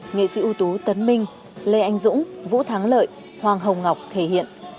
nghệ sĩ ưu tú tấn minh lê anh dũng vũ thắng lợi hoàng hồng ngọc thể hiện